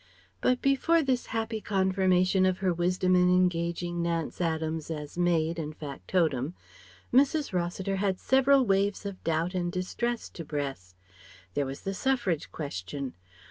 But before this happy confirmation of her wisdom in engaging Nance Adams as maid and factotum, Mrs. Rossiter had several waves of doubt and distress to breast. There was the Suffrage question.